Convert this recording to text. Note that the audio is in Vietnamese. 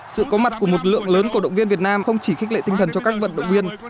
sự có mặt của một lượng lớn cổ động viên việt nam không chỉ khích lệ tinh thần cho các vận động viên